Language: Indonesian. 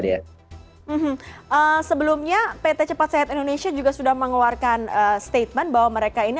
dia sebelumnya pt cepat sehat indonesia juga sudah mengeluarkan statement bahwa mereka ini